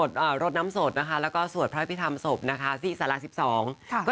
จริงเป็นครั้งแรกที่ได้เจอตอนฟิตติ้งค่ะ